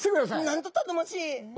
なんと頼もしい！